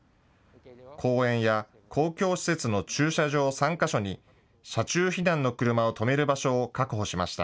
公園や公共施設の駐車場３か所に車中避難の車を止める場所を確保しました。